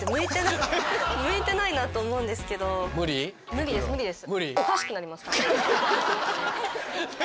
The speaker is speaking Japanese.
無理です無理です。